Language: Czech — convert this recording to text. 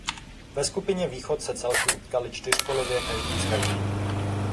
Ve skupině východ se celky utkaly čtyřkolově každý s každým.